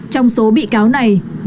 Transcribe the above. trong số bị cáo này